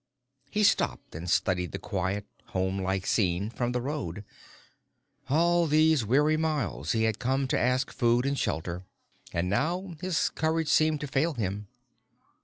He stopped and studied the quiet, home like scene from the road. All these weary miles he had come to ask food and shelter, and now his courage seemed to fail him.